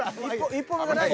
１歩目がない。